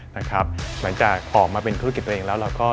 รอบก็เปิดเป็นธุรกิจตัวเองพี่ไม่ได้เลย